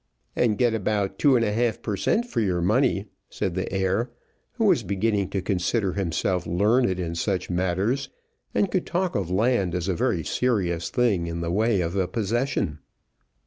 "And get about two and a half per cent. for your money," said the heir, who was beginning to consider himself learned in such matters, and could talk of land as a very serious thing in the way of a possession.